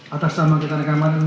atas nama kegiatan keagamaan